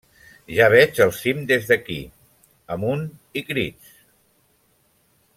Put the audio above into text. Ja veig el cim des d'aquí... Amunt i crits!